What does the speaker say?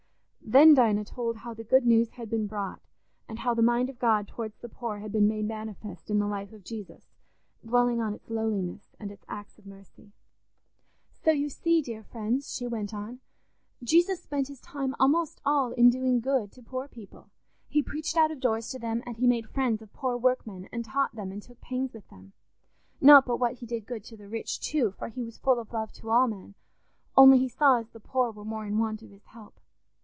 Then Dinah told how the good news had been brought, and how the mind of God towards the poor had been made manifest in the life of Jesus, dwelling on its lowliness and its acts of mercy. "So you see, dear friends," she went on, "Jesus spent his time almost all in doing good to poor people; he preached out of doors to them, and he made friends of poor workmen, and taught them and took pains with them. Not but what he did good to the rich too, for he was full of love to all men, only he saw as the poor were more in want of his help.